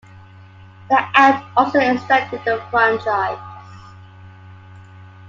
The Act also extended the franchise.